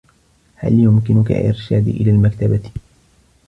هل يمكنك إرشادي إلى المكتبة؟